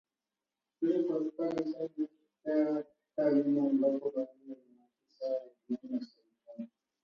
ili kuepusha dosari iliyotekea miaka ya nyuma ambapo baadhi ya maafisa wa zamani wa serikali